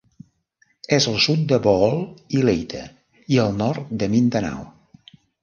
És al sud de Bohol i Leyte i al nord de Mindanao.